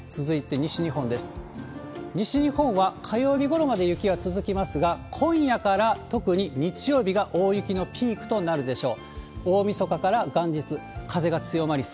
西日本は火曜日ごろまで雪が続きますが、今夜から特に日曜日が大雪のピークとなるでしょう。